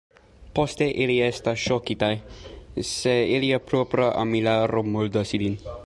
Poste ili estas ŝokitaj, se ilia propra armilaro murdas ilin.